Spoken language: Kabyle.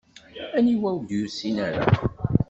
Aniwa ur d-yusin ara?